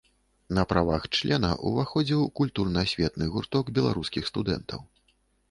На правах члена ўваходзіў у культурна-асветны гурток беларускіх студэнтаў.